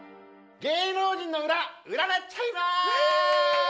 芸能人の裏占っちゃいまーす！